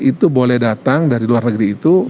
itu boleh datang dari luar negeri itu